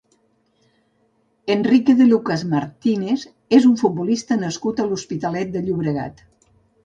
Enrique de Lucas Martínez és un futbolista nascut a l'Hospitalet de Llobregat.